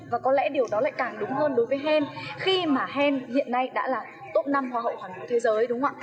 và có lẽ điều đó lại càng đúng hơn đối với hèn khi mà hèn hiện nay đã là tốt năm hoa hậu hoàn vũ thế giới